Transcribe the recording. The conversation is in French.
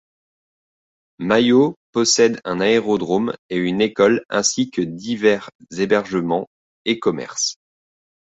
Mayo possède un aérodrome et une école ainsi que divers hébergements et commerces.